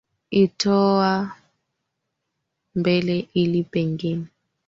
itoa mbele ili pengine